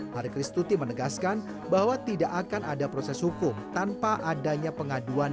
harikristuti menegaskan bahwa tidak akan ada proses hukum tanpa adanya pengaduan